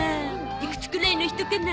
いくつくらいの人かな。